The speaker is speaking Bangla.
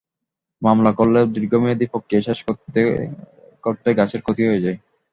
মামলা করলেও দীর্ঘমেয়াদি প্রক্রিয়া শেষ করতে করতে গাছের ক্ষতি হয়ে যায়।